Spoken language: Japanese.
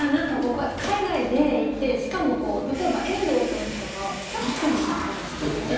海外でいてしかも例えば、遠藤選手とかはキャプテンもやってるんですよね。